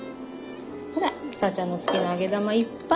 ほらさぁちゃんの好きな揚げ玉いっぱい。